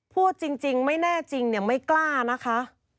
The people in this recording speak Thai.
พูดจริงไม่แน่จริงเนี่ยไม่กล้านะคะ